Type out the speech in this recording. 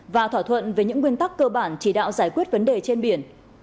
và thỏa thuận về những nguyên tắc cơ bản chỉ đạo giải quyết vấn đề trên biển